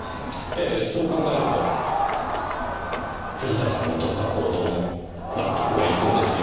ええそう考えると藤田さんの取った行動も納得がいくんですよ。